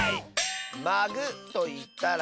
「まぐ」といったら。